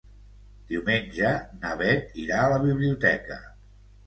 Diumenge na Bet irà a la biblioteca.